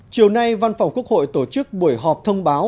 chiều nay văn phòng quốc hội tổ chức buổi họp thông báo